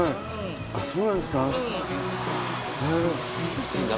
そうなんですか。